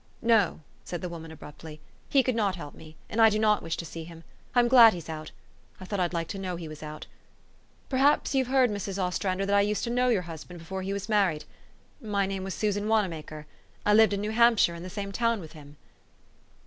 "No," said the woman abruptly, "he could not help me ; and I do not wish to see him. I'm glad he's out. I thought I'd like to know he was out. Perhaps you've heard, Mrs. Ostrander, that I used to know your husband before he was married. My name was Susan Wanamaker. I lived in New Hampshire, in the same town with him."